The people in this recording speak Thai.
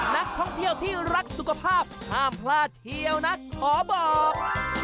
นักท่องเที่ยวที่รักสุขภาพห้ามพลาดเชียวนะขอบอก